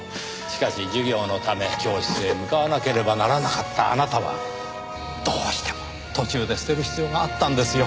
しかし授業のため教室へ向かわなければならなかったあなたはどうしても途中で捨てる必要があったんですよ。